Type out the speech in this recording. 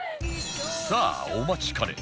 さあお待ちかね